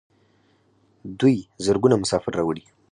دوی زرګونه مسافر راوړي.